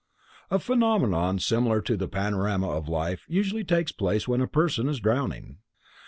A phenomenon similar to the panorama of life usually takes place when a person is drowning.